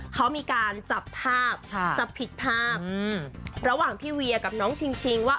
เขามีการจับภาพจับผิดภาพระหว่างพี่เวียกับน้องชิงชิงว่า